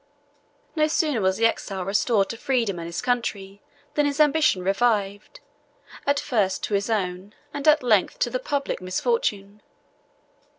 No sooner was the exile restored to freedom and his country, than his ambition revived, at first to his own, and at length to the public, misfortune.